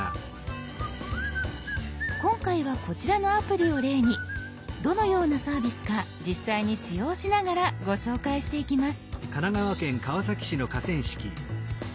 今回はこちらのアプリを例にどのようなサービスか実際に使用しながらご紹介していきます。